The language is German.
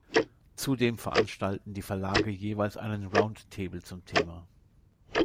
Zudem veranstalten die Verlage jeweils einen Roundtable zum Thema.